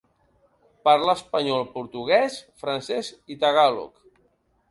Parla espanyol, portuguès, francès i tagàlog.